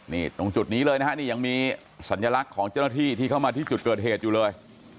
นี่ตรงจุดนี้เลยนะฮะนี่ยังมีสัญลักษณ์ของเจ้าหน้าที่ที่เข้ามาที่จุดเกิดเหตุอยู่เลย